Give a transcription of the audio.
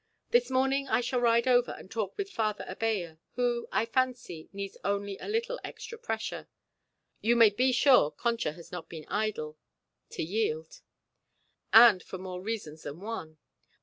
This morning I shall ride over and talk with Father Abella, who, I fancy, needs only a little extra pressure you may be sure Concha has not been idle to yield; and for more reasons than one.